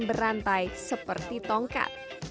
berantai seperti tongkat